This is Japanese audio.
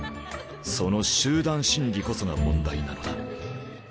その集団心理こそが問題なのだ。